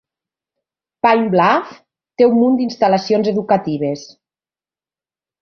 Pine Bluff té un munt d'instal·lacions educatives.